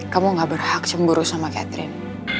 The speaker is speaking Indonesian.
kamu gak berhak cemburu sama catherine